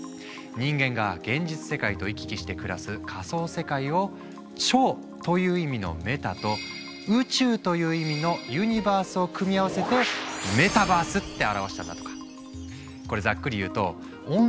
人間が現実世界と行き来して暮らす仮想世界を「超」という意味のメタと「宇宙」という意味のユニバースを組み合わせてメタバースって表したんだとか。